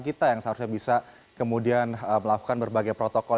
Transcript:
kita yang seharusnya bisa kemudian melakukan berbagai protokol